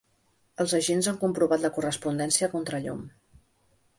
Els agents han comprovat la correspondència a contrallum.